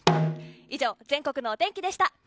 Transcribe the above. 以上、全国のお天気でした。